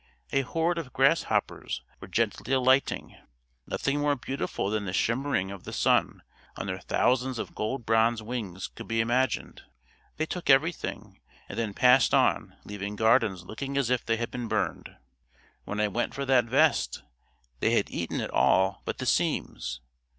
A horde of grasshoppers were gently alighting. Nothing more beautiful than the shimmering of the sun on their thousands of gold bronze wings could be imagined. They took everything and then passed on leaving gardens looking as if they had been burned. When I went for that vest, they had eaten it all but the seams.